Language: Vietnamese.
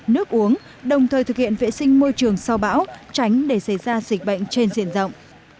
nước uống đồng thời thực hiện vệ sinh môi trường sau bão tránh để xảy ra dịch bệnh trên diện rộng